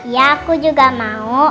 ya aku juga mau